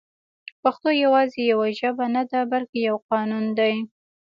پښتو يوازې يوه ژبه نه ده بلکې يو قانون دی